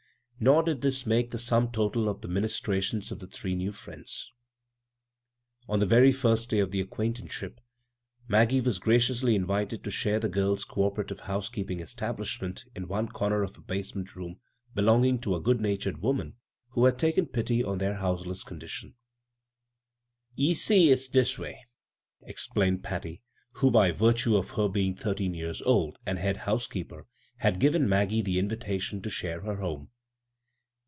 Nor did this make the sum total of the ministrations of these three new friends. On the very first day of the acquaintanceship, Maggie was graciously invited to share the girls' cooperadve housekeeping establishment in one comer of a basement room belonging to a good natured woman who had taken pity on thenr houseless condition. b, Google CROSS CURRENTS "Ye see, it's dis way," explained Patty, who, by virtue of her being thirteen years old and head housekeeper, bad given Maggie the invitation to share their home.